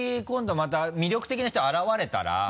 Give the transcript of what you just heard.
また魅力的な人現れたら。